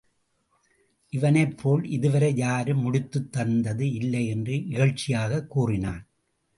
இவனைப்போல் இதுவரை யாரும் முடித்துத் தந்தது இல்லை என்று இகழ்ச்சியாகக் கூறினான்.